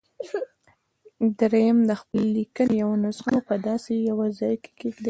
درېيم د خپلې ليکنې يوه نسخه مو په داسې يوه ځای کېږدئ.